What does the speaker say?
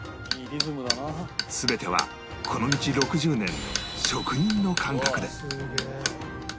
全てはこの道６０年の職人の感覚で